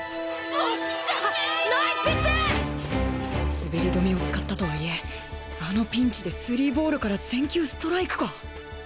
滑り止めを使ったとはいえあのピンチでスリーボールから全球ストライクか。